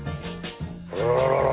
あららら。